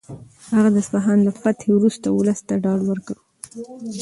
هغه د اصفهان له فتحې وروسته ولس ته ډاډ ورکړ.